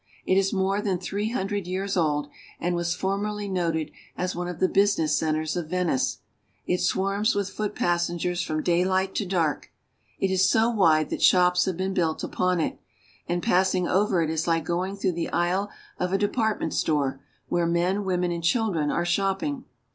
It is more than three hundred years old, and was formerly noted as one of the business centers of Venice. It swarms with foot passengers from daylight to dark. It is so wide that shops have been built upon it, and passing over it is like going through the aisle of a department store where men, women, and children are shopping.